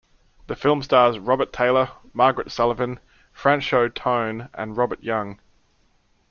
The film stars Robert Taylor, Margaret Sullavan, Franchot Tone and Robert Young.